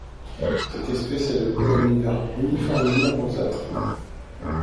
Cette espèce a le corps uniformément rosâtre.